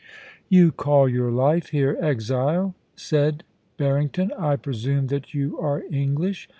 ' You call your life here exile,' said Barrington. * I pre sume that you are English